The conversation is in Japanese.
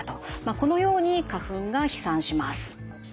このように花粉が飛散します。